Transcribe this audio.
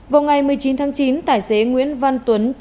vào ngày một mươi chín tháng chín tài xế nguyễn văn tuấn